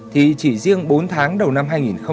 thì chỉ riêng bốn tháng đầu năm hai nghìn một mươi chín